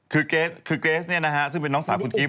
คือเกรสคือเกรสเนี่ยนะฮะซึ่งเป็นน้องสาวคุณกิฟต